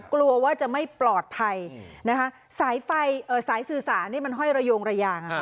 กลัวว่าจะไม่ปลอดภัยนะคะสายไฟสายสื่อสารนี่มันห้อยระโยงระยาง